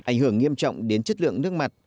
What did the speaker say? ảnh hưởng nghiêm trọng đến chất lượng nước mặt